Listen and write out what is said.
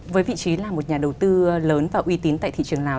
với vị trí là một nhà đầu tư lớn và uy tín tại thị trường lào